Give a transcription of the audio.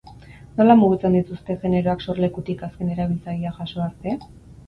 Nola mugitzen dituzte generoak sorlekutik azken erabiltzaileak jaso arte?